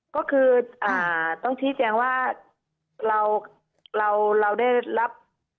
ก็คือต้องพิจารณ์ว่าเราได้รับ